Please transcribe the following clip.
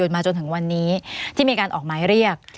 มาจนถึงวันนี้ที่มีการออกหมายเรียก